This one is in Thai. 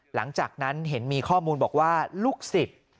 หลังจากนั้นเห็นมีข้อมูลบอกว่าลูกศิษย์